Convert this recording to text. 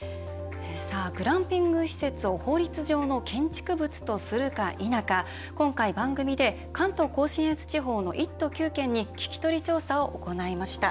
グランピング施設を法律上の建築物とするか否か今回、番組で関東・甲信越地方の１都９県に聞き取り調査を行いました。